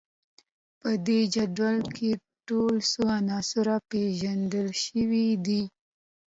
په دې جدول کې ټول څو عناصر پیژندل شوي دي